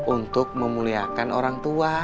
untuk memuliakan orang tua